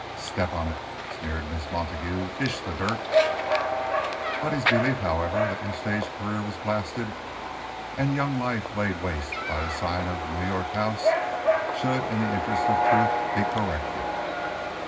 "Step on it," sneered Miss Montague. "Dish the dirt!" "Buddy's belief, however, that your stage career was blasted and your young life laid waste by the scion of a rich New York house should, in the interests of truth, be corrected."